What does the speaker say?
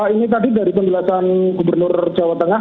ini tadi dari penjelasan gubernur jawa tengah